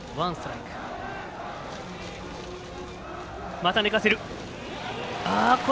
また寝かせる。